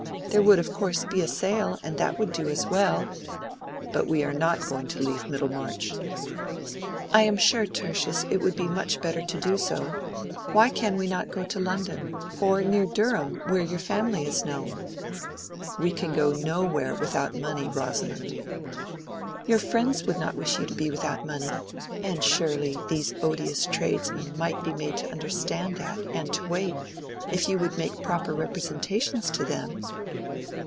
there would of course be a sale, and that would do as well." "But we are not going to leave Middlemarch." "I am sure, Tertius, it would be much better to do so. Why can we not go to London? Or near Durham, where your family is known?" "We can go nowhere without money, Rosamond." "Your friends would not wish you to be without money. And surely these odious tradesmen might be made to understand that, and to wait, if you would make proper representations to them."